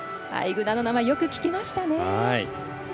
アイグナーの名前よく聞きましたね。